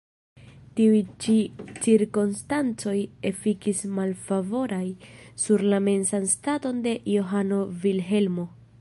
Tiuj ĉi cirkonstancoj efikis malfavoraj sur la mensan staton de Johano Vilhelmo.